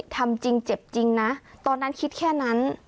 ทำจริงเจ็บจริงนะตอนนั้นคิดแค่นั้น